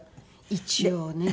一応ね。